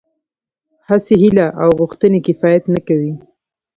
هسې هيله او غوښتنه کفايت نه کوي.